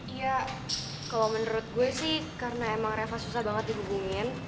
iya kalau menurut gue sih karena emang reva susah banget dihubungin